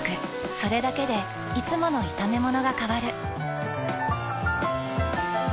それだけでいつもの炒めものが変わる。